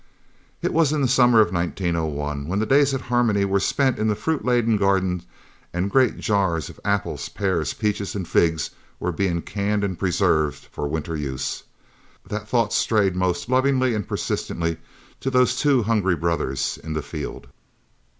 It was in the summer of 1901, when the days at Harmony were spent in the fruit laden garden and great jars of apples, pears, peaches, and figs were being canned and preserved for winter use, that thoughts strayed most lovingly and persistently to the two hungry brothers in the field.